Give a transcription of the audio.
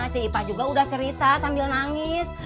cik ipa juga udah cerita sambil nangis